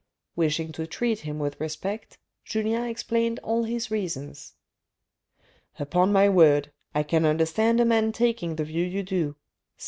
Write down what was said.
Wishing to treat him with respect, Julien explained all his reasons. " Upon my word, I can understand a man taking the view you do," said M.